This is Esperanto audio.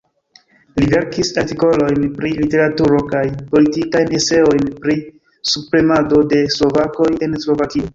Li verkis artikolojn pri literaturo kaj politikajn eseojn pri subpremado de slovakoj en Slovakio.